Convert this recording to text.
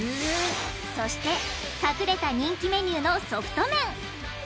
そして隠れた人気メニューのソフト麺！